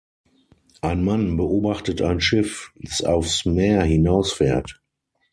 Ein Mann beobachtet ein Schiff, das aufs Meer hinaus fährt.